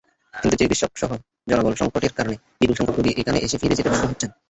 কিন্তু চিকিৎসকসহ জনবল-সংকটের কারণে বিপুলসংখ্যক রোগী এখানে এসে ফিরে যেতে বাধ্য হচ্ছেন।